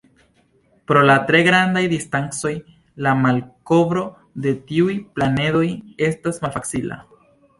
Pro la tre grandaj distancoj, la malkovro de tiuj planedoj estas malfacila.